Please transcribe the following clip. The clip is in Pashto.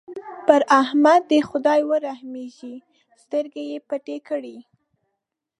پر احمد دې خدای ورحمېږي؛ سترګې يې پټې کړې.